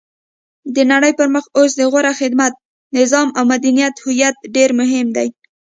د نړۍ پرمخ اوس د غوره خدمت، نظام او مدنیت هویت ډېر مهم دی.